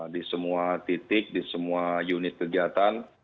di semua titik di semua unit kegiatan